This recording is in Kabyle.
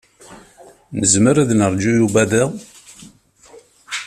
Nezmer ad neṛǧu Yuba da?